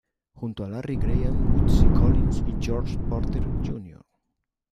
Junto a Larry Graham, Bootsy Collins, George Porter Jr.